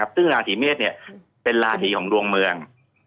ซึ่งราศีเมษเป็นราศีของดวงเมือง